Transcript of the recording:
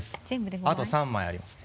あと３枚ありますね。